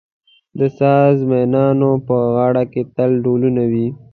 د ساز مېنانو په غاړه کې تل ډهلونه وي.